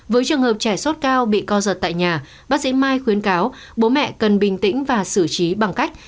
với trường hợp trẻ sốt cao bị co giật tại nhà bác sĩ mai khuyến cáo bố mẹ cần bình tĩnh và xử trí bằng cách